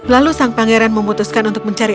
lalu sang pangeran memutuskan untuk mencari